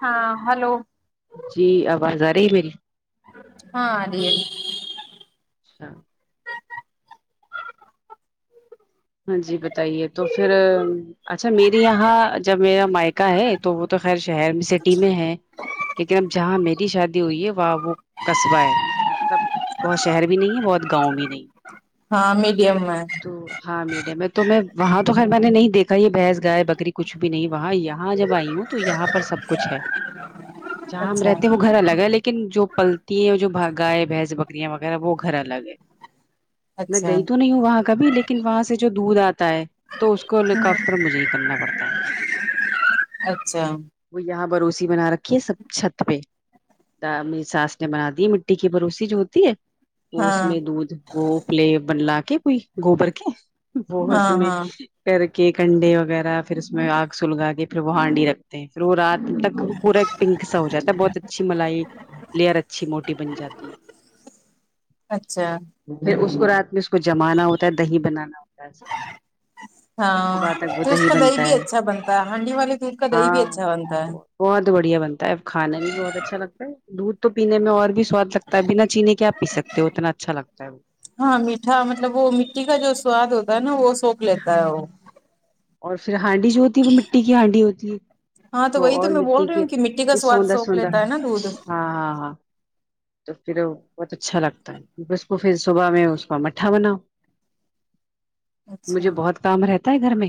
ہاں ہلو جی آواز آ رہی میری ہاں ا [inaudible] اچھا ہاں جی بتائیے تو پھر اچھا میری یہاں جب میرا مائقہ ہے تو وہ تو خیر شہر سٹی میں ہے لیکن اب جہاں میری شادی ہوئی ہے وہاں وہ قصبہ ہے ملب بہت شہر بھی نہیں ہے بہت گاؤں بھی نہیں ہاں میڈیم میں [inaudible] تو ہاں میڈیم ہے تو میں وہاں تو خیر میں نے نہیں دیکھا یہ بھیحنس گائے بکری کچھ بھی نہیں وہاں یہاں جب آئی ہوں تو یہاں پر سب کچھ ہے ج [unintelligible] [inaudible] ج ہم رہتے ہو گھر الگ ہے لیکن جو پلتی ہیں جو بھاگا ہے بھینس بکریاں وغیرہ وہ گھر الگ ہے میں اچھا گئی تو نہیں ہوں وہاں کا بھی لیکن وہاں سے جو دودھ آتا ہے تو اس ہیل کاپٹر مجھے ہی کرنا پڑتا ہے اچھا وہ یہاں بروسی بنا رکھی ہے سب چھت پہ ی ساس نے بنا دی مٹی کی بوسی جو ہوتی ہے وہ اس ہاں میں دودھ وہ پلے بنلا کے کوئی گوبر کے بت س ہاں میں ہاں کر کے کنڈے وغیرہ پھر اس میں آگ سلگا کے پھر وہ ہانڈی رکھتے ہیں پھر وہ رات تک پورا پنک سا ہو جاتا ہے بہت اچھی ملائی لیئر اچھی موٹی بن جاتی ہے اچھا پھر اس کو رات میں اس کو جمانا ہوتا ہے دہی بنانا ہوتا ہے اس کا ہاں صبح تک وہ تو اس کا دہی بنتا بھی ہے اچھا بنتا ہے ہانڈی والے دودھ کا دہی بھی ہاں اچھا بنتا ہے بہت بڑھیا بنتا ہےب کھانا بھی بہت اچھا لگتا ہے دودھ تو پینے میں اور بھی سواد لگتا ہے بنا چینے کے کیا پی سکتے ہو اتنا اچھا لگتا ہے وہ ہاں میٹھا مطلب وہ مٹی کا جو سواد ہوتا ہے نا وہ سوپ لیتا ہاں ہے وہ اور پھر ہانڈی جو ہوتی ہے وہ مٹی کی ہانڈی ہوتی ہے ہاں تو وہی اور میں بول مٹی رہی کے ہوں کہ مٹی کا یہ سواد سوندہ سوک سوندہ لیتا ہے نا دودھ ہاں ہاں ہاں تو پھر بہت اچھا لگتا ہے اس کو پھر صبح میں اس کا مٹھا بناؤ اچھا مجھے بہت کام رہتا ہے گھر میں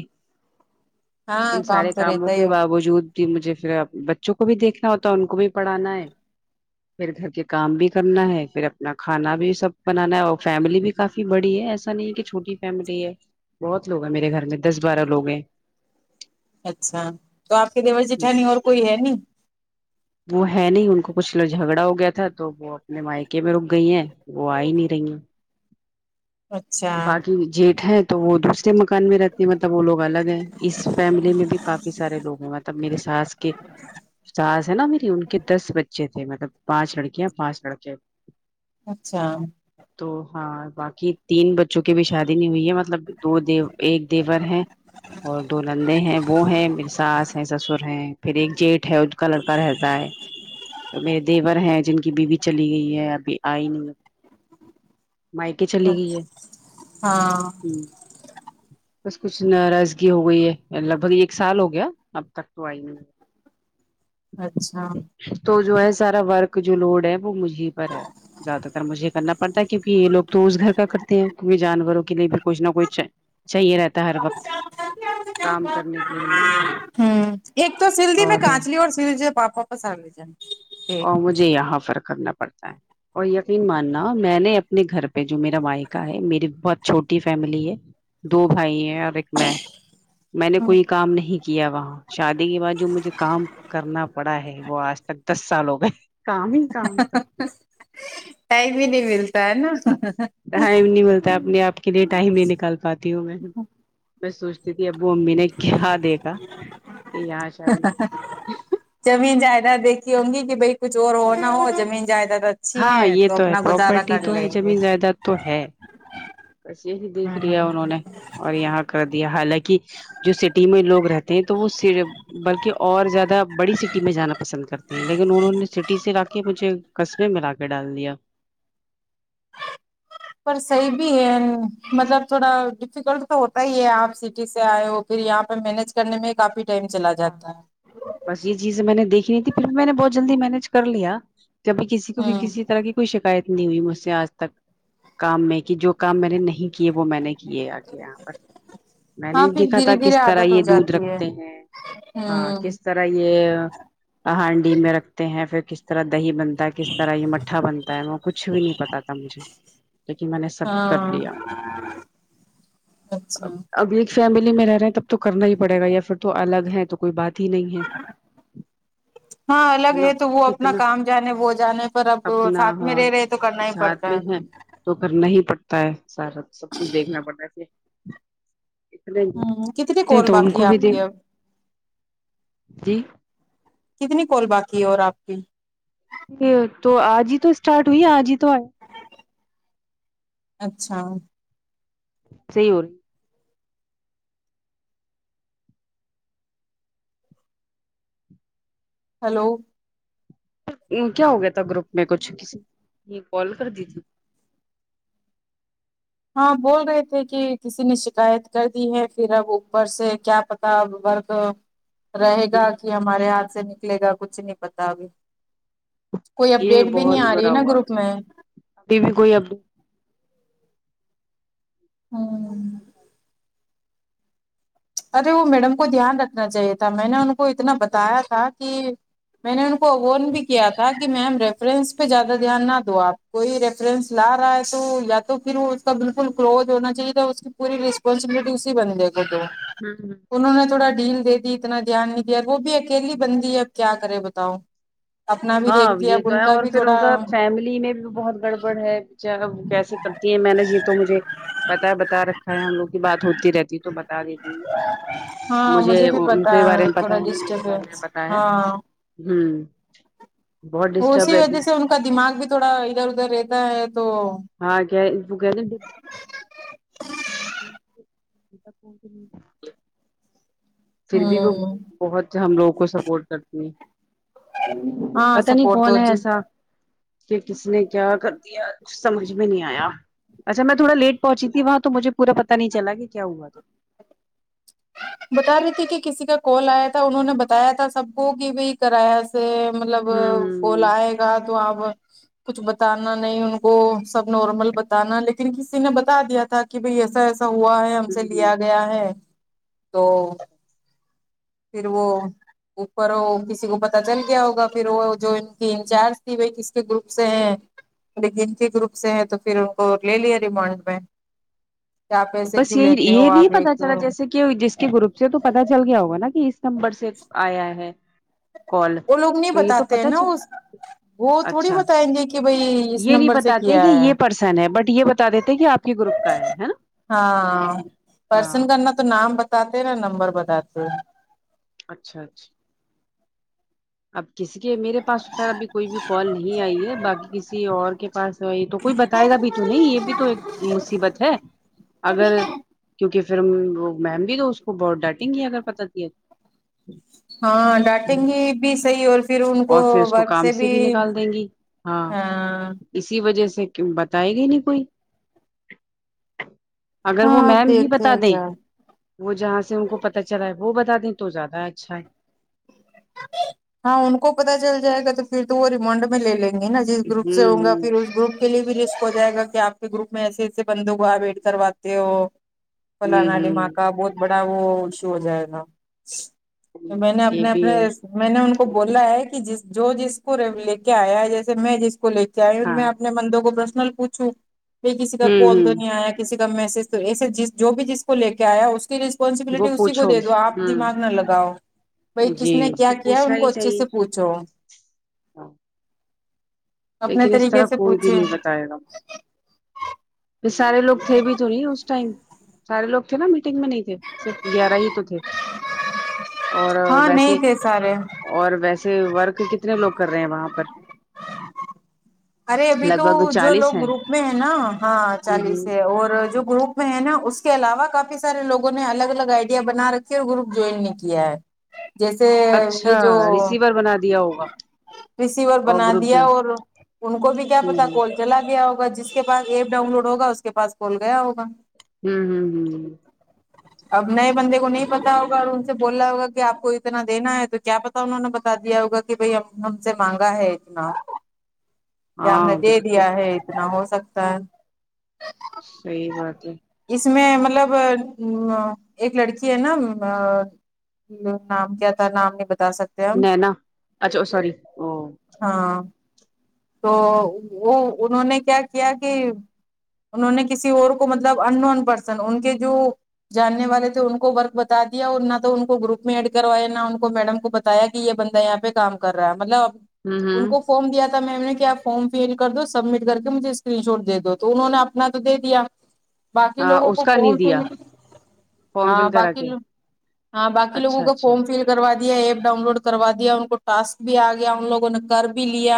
ہاں ان کام سارے تو کاموں رہتا ہی کے ہو۔ باوجود کہ مجھے پھر بچوں کو بھی دیکھنا ہوتا ان کو بھی پڑھانا ہے پھر گھر کے کام بھی کرنا ہے پھر اپنا کھانا بھی سب بنانا ہے اور فیملی بھی کافی بڑی ہے ایسا نہیں ہے کہ چھوٹی فیملی ہے بہت لوگ ہیں میرے گھر میں دس بارہ لوگ ہیں اچھا تو آپ کے دیور جٹھانی اور کوئی ہے ن وہ ہے نہیں ان کو کچھ لوگ جھگڑا ہو گیا تھا تو وہ اپنے مائکے میں رک گئی ہیں وہ آ ہی نہیں رہی ہیں اچھا باقی جیٹ ہے تو وہ دوسرے مکان میں رہتے ہیں مطلب وہ لوگ الگ ہیں اس فیملی میں بھی کافی سارے لوگ ہیں مطلب میرے ساس ساس ہے نا میری ان کے دس بچے تھے مطلب پانچ لڑکیاں پانچ سڑکے اچھا تو ہاں باقی تین ب چک بھی شادی نہیں ہوئی ہے مطلب دو دی ایک دیور ہے اور دو لندے ہیں وہ ہے میری ساس ہے سسر ہیں پھر ایک جیٹ ہے کلر کا رہتا ہے تو میر دیور ہیں بی بھی چلی گئی ہے ابھی آئی نہیں ہے مائکے چلی گئی ہے ہاں ہ بس کچھ ناراضگی ہو گئی ہے لگ بھگ ایک سال ہو گیا اب تک تو آئی نہیں [inaudible] اچھا تو جو ہے سارا ورک جو لوڈ ہے وہ مجھیں پر ہے زیادہ تر مجھے کرنا پڑتا ہے کیونکہ یہ لوگ تو اس گھر کا کرتے ہیں کیکہ جانوروں کے لیے بھی کچھ نہ کچھ ہے چاہیے رہتا ہر وقت کام کرنے کے لیے ایک تو سلدی میں کانچلی اور سل جو پاپاپ سرجن اور مجھے یہاں فرق کرنا پڑتا ہے اور یقین ماننا میں نے اپنے گھر پہ جو میرا وائکہ ہے میری بہت چھوٹی فیملی ہے دو بھائی ہیں اور ایک میں میں نے کوئی کام نہیں کیا وہاں شادی کے بعد جو مجھے کام کرنا پڑا ہے وہ آج تک دس سالو گئے کام ہی کام سب ٹائم ہی نہیں ملتا ہے نا ٹائم نہیں ملتا آ اپنے آپ کو لیے ٹائم نکال پاتی ہوں میں میں سوچتی تھی ابو امی نے کیا دیکھا کہ یہاں شادی زمین جائیداد دیکھی ہوںگی کہ بھائی کچھ اور ہو نہ ہو زمین جائیداد اچھی ہاں یہ تو ہے اپنا گزارا پراپرٹی کر تو لیں ہے گے زمین جائیداد تو ہے بس یہ ہی دیکھ لیا انہوں نے اور یہاں کر دیا حالانکہ جو سٹی میں لوگ رہتے ہیں تو وہ صرف بلکہ اور زیادہ بڑی سٹی میں جانا پسند کرتے ہیں لیکن انہوں نے سٹی سے لا کے مجھے پھر ملا کے ڈال دیا پر صحیح بھی ہے مطلب تھوڑا ڈیفیکلٹ تو ہوتا ہی ہے آپ سٹی سے آئے ہو پھر یہاں پہ مینج کرنے میں کافی ٹائم چلا ہاں جاتا ہے بس یہ چیز میں نے دیکھینی تھی پھر بھی میں نے بہت جلدی مینج کر لیا کہبھی کسی کو ہوں کسی طرح کی کوئی شکایت نہیں ہوئی مجھ سے آج تک کام میں کہ جو کام میں نے نہیں کیے وہ میں نے کیے آگے یہاں پر میں ہاں نے پھر دیکھا تھا دھیرے دھیرے کس طرح عادت ہو یہ دودھ جاتی ہے رکھتے ہیں ہاں ہوں کس طرح یہ ہانڈی میں رکھتے ہیں پھر کس طرح دہی بنتا ہے کس طرح یہ مٹھا بنتا ہے وہ کچھ بھی نہیں پتا تھا مجھے کہ میں نے سب کر لیا ہاں اچھا اب ایک فیملی میں رہے ہیں تب تو کرنا ہی پڑے گا یا پھر تو الگ ہے تو کوئی بات ہی نہیں ہے ہاں الگ ہے نا تو وہ اپنا کتنا کام جانے وہ جانے پر اب اپنا ساتھ میں ہاں رہ رہے تو کرنا ہی پڑتا ساتھ ہے تو کرنا ہی پڑتا ہے سارا سب کچھ دیکھنا پڑتا ہے ہوں کتنی کہ کال تو ان باقی ہے کو بھی آپ کی اب جی کتنی کول باقی ہے اور آپ کی تو آج ہی تو اسٹارٹ ہوئی آج ہی تو آئے اچھا صیور ہلو کیا ہو گیا تھا گروپ میں کچھ کسی کال کر دی تھی ہاں بول رہے تھے کہ کسی نے شکایت کر دی ہے پھر اب اوپر سے کیا بر رہے گا ہوں کہ ہمارے ہاتھ سے نکلے گا کچھ نہیں پتا ابھی کوئی یہ اپڈیٹ بھی نہیں آ رہی ہے نا گروپ میں ٹی بھی کوئی اپ ہاں ارے وہ میڈم کو دھیان رکھنا چاہیے تھا میں نے ان کو اتنا بتایا تھا کہ میں نے ان کو اوون بھی کیا تھا کہ میم ریفرنس پہ زیادہ دھیان نہ دو آپ کوئی ریفرنس لا رہا ہے تو یا تو پھر اس کا بالکل کلوز ہونا چاہیے تھا پوری ریسپانسبٹی اسی بن جائے گا تو ہاں انہوں نے تھوڑا ڈیل دے دی اتنا دھیان نہیں دیا وہ بھی اکیلی بندی ہے اب کیا کرے بتاؤ اپنا بھی ہاں دیکھتی یہ اب تو ان ہے کا اور بھی پھر ان تھوڑا کا فیملی میں بھی بہت گڑبڑ ہے اچا ا کیسے کرتی ہیں میں نے یہ تو مجھے بتا بتا رکھا ہے ہم لوگ کی بات ہوتی رہتی ہے تو ب ہاں مجھے بھی ان پتا کے ہی بارے میں پتا ہے تھوڑا انہیں میرے بارے میں ڈسٹربینس پتا ہے ہاں ہوں اسی وجہ سے ان کا دماغ بھی تھوڑا ادھر ادھر رہتا ہے تو ہاں گ وہ کہ ات پ پھر بھی وہ ہوں بہت ہم لوگوں کو سپورٹ کرتی ہیں ہاں پتا نہیں سپورٹ کون تو ہے جی ایسا کہ کسی نے کیا کر دیا کچ سمجھ میں نہیں آیا اچھا میں تھوڑ لیٹ پہنچی تھی وہاں تو مجھے پور پہ نہیں چلا کہ کیا ہوا بتا رہی تھی کہ کسی کا کال آیا تھا انہوں نے بتایا تھا سب کو کہ بھ کرایہ سے مطلب تھا کول ہوں آئے گا تو آپ کچھ بتانا نہیں ان کو سب نارمل بتانا لیکن کسی نے بتا دیا تھا کہ بھائی ایسا ایسا ہوا ہے ہم سے ہوں ہوں لیا گیا ہے تو پھر وہ اوپر کسی کو پتا چل کیا ہوگا پھر وہ جو ان کی انچارج تھی وہ کس کے گروپ سے ہیں گنتی گروپ سے ہے تو پھر ان کو لے لیا ریمانڈ میں آپ ایسے بس کیوں یہی لیتے یہ ہو نہیں آپ پتا چلا ایک جیسے کہ جس کے گروپ سے تو پتا چل گیا ہوگا نا کہ اس نمبر سے آیا ہے کال وہ لوگ نہیں تو یہ تو بتاتے پت ہیں نا چل اس وہ تھوڑی اچھا بتائیں گے کہ بھائی اس یہ نہیں نمبر سے بتاتے کیا کہ ہے یہ پرسن ہے بٹ یہ بتا دیتے کہ آپ گروپ کا ہے نا ہاں پرسن ہاں کرنا تو نام بتاتے نا نمبر بتاتے اچھا اچھا اب کسی کے میرے پاس خیر ابھی کوئی بھی کال نہیں آئی ہے باقی کسی اور کے پاس یہ تو کوئی بتائے گا بھی تو نہیں یہ بھی تو ایک مصیبت ہے اگر کیونکہ پھر وہ میم بھی تو اس کو بہت ڈٹیں گی اگر پتا ت ہاں ڈانٹیں گی بھی صحیح اور پھر ان کو اور پھر اس وقت کام سے بھی نکال دیں گی ہاں اسی وجہ سے بتائے گی نہیں کوئی اگر وہ ہاں میم ہی دیکھتے بتا ہیں دے کیا وہ جہاں سے ان کو پتا چلا ہے وہ بتا دیں تو زیادہ اچھا ہے ہاں ان کو پتا چل جائے گا تو پھر تو وہ ریمنڈ میں لے لیں گے نا جس گروپ سے ہوگا ہوں پھر اس گروپ کے لیے بھی رسک ہو جائے گا کہ آپ کے گروپ میں ایسے ایسے بندوں کو آ ویٹ کرواتے ہو ہ فلانا ہوں دما کا ہ بہت بڑا وہ اشو ہو جائے گا تو میں نے یہ اپنے بھی ہے اپنے میں نے ان کو بولا ہے کہ ج جو جس کو لے کے آیا ہے جیسے میں جس کو لے کے آئی انپ ہاں اپنے مندوں کو پرشنل پوچھوں ب کسی کا ہوں کال تو ہوں نہیں آیا کسی کا میسج تو ایسے جس جو بھی جس کو لے کے آیا اس کی لسٹ اسپسبلٹی وہ اسی کو پوچھو دے دو آپ دماغ ہوں نہ لگاؤ بائی جی کس نے اس کو کیا ان کو اچھے سے پوچھ چ [unintelligible] ہ اپنے لیکن اس طرح طریقے سے کوئی بھی پوچھے نہیں بتائے گا سارے لوگ تھے بھی تو نہیں اس ٹائم سارے لوگ تھے نا میٹنگ میں نہیں تھے صرف گیارہ ہی تو تھے اور ہاں ویسے نہیں تھے سارے اور ویسے ورک کتنے لوگ کر رہے ہیں وہاں پر ارے ابھی لگ تو بھگ جو لوگ چالیس ہیں گروپ میں ہے نا ہاں ہ ہ چالیس ہے اور جو گروپ میں ہے نا اس کے علاوہ کافی سارے لوگوں نے الگ الگ آئیڈیا بنا رکھھی اور گروپ جوائن بھی کیا ہے جیسے اچھا یہ جو ریسیور بنا دیا ہوگا رسیور اور بنا گروپ دیا جو ہے اور ان کو بھی کیا ہ پتا ہ ہوں کال چلا گیا ہوگا جس کے پاس ایپ ڈاؤن لوڈ ہوگا اس کے پاس کال گیا ہوگا ہمم اب نئے بندے کو نہیں پتا ہوگا اور بولا ہوگا کہ آپ کو اتنا دینا ہے تو کیا پتا انہوں نے بتا دیا ہوگا کہ بھائی ہم سے مانگا ہے اتنا ہم نے ہاں دے بالکل دیا ہے اتنا ہو سکتا ہے صحیح بات ہے اس میں مطلب ایک لڑکی ہے نا ا نام کیا تھا نام نہیں بتا سکتا نہیں ن اچھا سور او ہاں تو وہ انہوں نے کیا کیا کہ انہوں نے کسی اور کو مطلب ان نون پرسن ان کے جو جاننے والے تھے ان کو ورک بتا دیا اور نہ تو ان کو گروپ میں ایڈ کروایا نہ ان کو میڈم کو بتا بتایا کہ یہ بندہ یہاں پہ کام کر رہا ہے مطلب ا ہوں ان ہوں کو فارم دیا تھا میم نے کیا فارم فل کر دو سبمٹ کر کے مجھے اسکرین شاٹ دے دو تو انہوں نے اپنا تو دے دیا ہاں باقی لوگوں اس کو کا نہیں پہنچ ہی دیا میں فارم ہاں فل کرا کے باقیو ہاں باقی لوگوں اچھا کا اچھا فارم فل کروا دیا ایپ ڈاؤن لوڈ کروا دیا ان کو ٹسک بھی آ گیا ان لوگوں نے کر بھی لیا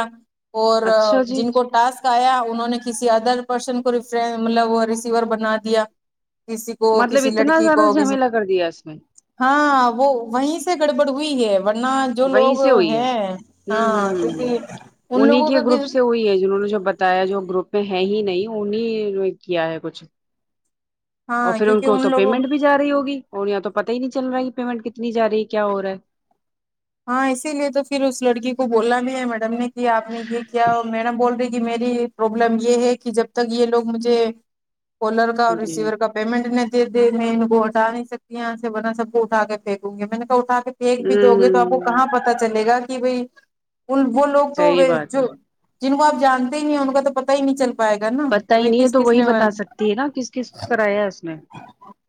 اور اچھا جی جن کو ٹاسک یا انہوں نے کسی ادر پرسن کو رف مطلب وہ ریسیور بنا دیا کسی کو مطلب کسی اتنا لڑکی کو زیادہ کسی جھمیلا کر دیا اس میں ہاں وہ وہیں سے گڑبڑ ہوئی ہے ورنہ جو وہیں لوگ سے ہوئی ہے ہاں کیونکہ ان انیں لوگوں کے کا گروپ سے کوئی ہے جنہوں نے جو بتایا ہے جو گروپ میں ہے ہی نہیں انہیں کیا ہے کچھ اور ہاں پھر ان کیونکہ کو تو لوگوں پیمنٹ بھی جا رہی ہوگی اور یہاں تو پتہ ہی نہیں چل رہا ہے پیمنٹ کتنی جا رہی ہے کیا ہو رہا ہے ہاں اسی لیے تو پھر اس لڑکی کو بولنا بھی ہے میڈم نے کہ آپ نے یہ کیا میڈم بول رہی کہ میری پربلم یہ ہے کہ جب تک یہ لوگ مجھے کالر کا اور جی ریسیور کا پیمنٹ دے د میں ان کو ہٹا نہیں سکتی ہیں یہاں سےورناہ سب کو اٹا کے پھینکوں گی میں نے کہ اٹھا کے ایک بھی دو ہوں گے تو آپ کو ہ کہاں پت چلے گا کہ بھائی ان وہ لوگ تو صحیح بات ہے جو جن کو آپ جانتے ہی نہیں ہیں ان کا تو پتا ہی نہیں چلتا پتا ہی نہیں ہے تو وہی بتا سکتی ہے نا کس کس کرایا ہے اس نے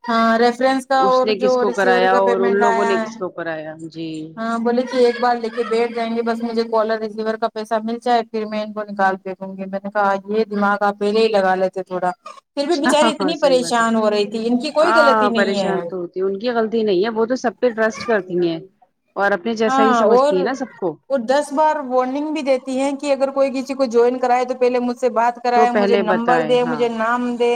ہاں ریفرنس کا اس اور نے کس جو کو ریسیور کرایا کا اور ان پیمنٹ لوگوں آیا نے ہے کس کو کرایا جی ہاں بولے ایک بار لے کے بیٹھ جائیں گے بس مجھے کالر ریسیور کا پیسہ مل جائے پھر میں ان کو نکال کے ہ گے میں نے کہا یہ دماغ آپ پہلے ہی لگا لیتے تھوڑا پھر بھی ہاں بچاریے ہاں اتنی صحیح پریش پ بات ہے شان ہو رہی تھی ان کی کوئی غلط ہاں نہیں ہے پریشان تو ہوتی ان کی غلطی نہیں ہے وہ تو سب پہ ٹرسٹ کرتی ہیں اور اپنے جیسا ہی ہاں سمجھتی ہیں نا سب کو اور دس بار وارننگ بھی دیتی ہے کہ اگر کوئی کسی کو جوائن کرائے تو پہلے مجھ سے بات تو کرائے مجھے پہلے نمبر بتائے دے ہاں مجھے نام دے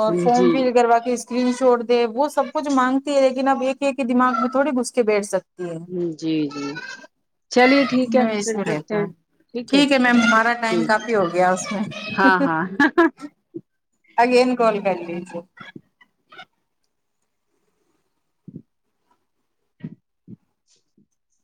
اور فارم جی فل کروا کے اسکرین شوٹ دے وہ سب کچھ مانگتی ہے لیکن اب ایک ایک دماغ میں تھوڑی گھسکے بیٹھ سکتی ہے جی جی چلیے ٹھیک ہے اس پھر میں کرتے رہتا ہیں ہے ٹھیک ہے میم ہمارا ٹائم ٹھیک کافی ہو گیا اس ہے میں ہاں ہاں آگےن گول گس [inaudible]